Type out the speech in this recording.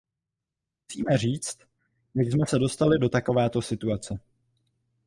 Musíme říct, jak jsme se dostali do takovéto situace.